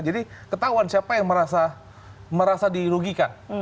jadi ketahuan siapa yang merasa dirugikan